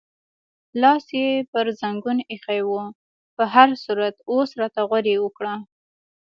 لاس یې پر زنګون ایښی و، په هر صورت اوس راته غورې وکړه.